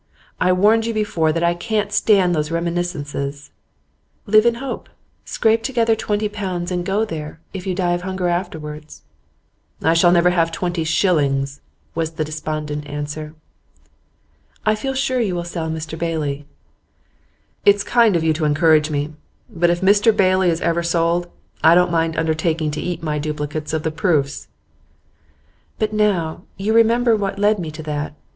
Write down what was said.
I warned you before that I can't stand those reminiscences.' 'Live in hope. Scrape together twenty pounds, and go there, if you die of hunger afterwards.' 'I shall never have twenty shillings,' was the despondent answer. 'I feel sure you will sell "Mr Bailey."' 'It's kind of you to encourage me; but if "Mr Bailey" is ever sold I don't mind undertaking to eat my duplicate of the proofs.' 'But now, you remember what led me to that.